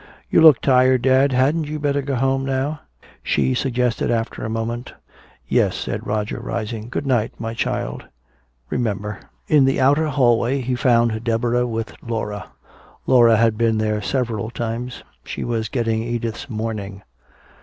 "You look tired, dad. Hadn't you better go home now?" she suggested after a moment. "Yes," said Roger, rising. "Good night, my child. Remember." In the outer hallway he found Deborah with Laura. Laura had been here several times. She was getting Edith's mourning.